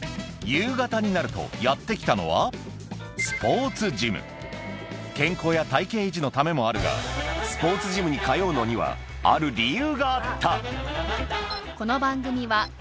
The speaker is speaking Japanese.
夕方になるとやって来たのは健康や体形維持のためもあるが彼がスポーツジムに来る理由